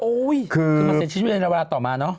โอ้ยคือมาเสียชีวิตในระวัติต่อมาเนอะ